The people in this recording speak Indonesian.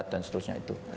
dan seterusnya itu